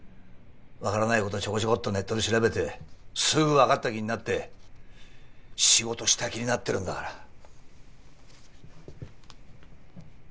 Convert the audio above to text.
分からないことはちょこちょこっとネットで調べてすぐ分かった気になって仕事した気になってるんだから。